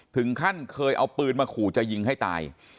ถึงขั้นเคยเอาปืนมาขู่จะยิงให้ตาย